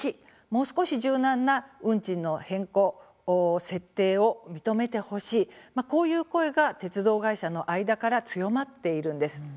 もう少し柔軟な運賃の変更・設定を認めてほしいこういう声が鉄道会社の間から強まっているんです。